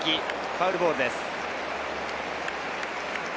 ファウルボールです。